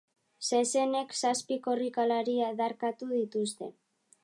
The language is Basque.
Zezenek zazpi korrikalari adarkatu dituzte.